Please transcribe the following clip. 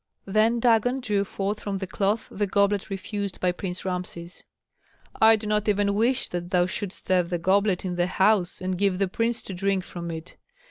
Then Dagon drew forth from the cloth the goblet refused by Prince Rameses. "I do not even wish that thou shouldst have the goblet in the house and give the prince to drink from it.